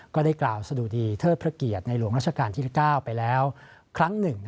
ก็ได้กล่าวสะดุดีเทิดพระเกียรติในหลวงราชการที่๙ไปแล้วครั้งหนึ่ง